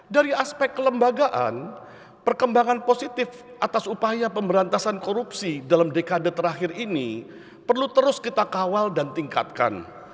dari aspek kelembagaan perkembangan positif atas upaya pemberantasan korupsi dalam dekade terakhir ini perlu terus kita kawal dan tingkatkan